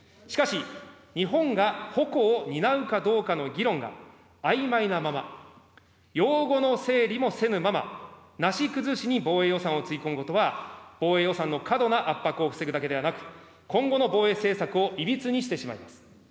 しかし、日本が矛を担うかどうかの議論があいまいなまま、ようごの整理もせぬまま、なし崩しに防衛予算をつぎ込むことは、防衛予算の過度な圧迫を防ぐだけではなく、今後の防衛政策をいびつにしてしまいます。